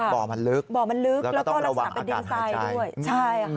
บ่อมันลึกแล้วก็ต้องระวังอาการหาใจด้วย